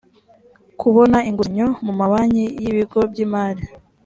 kubona inguzanyo mu ma banki n ibigo by imari